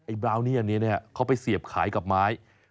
บราวนี่อันนี้เขาไปเสียบขายกับไม้